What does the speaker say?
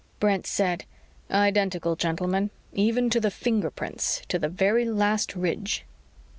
Brent said, "Identical, gentlemen, even to the finger prints; to the very last ridge."